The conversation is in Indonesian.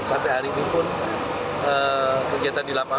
sampai hari ini pun kegiatan dilakukan